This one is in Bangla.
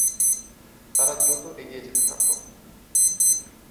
তারা দ্রুত এগিয়ে যেতে থাকল।